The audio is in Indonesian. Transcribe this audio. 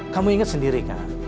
kamu ingat sendiri kak